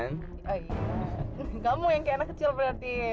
kamu yang kayak anak kecil berarti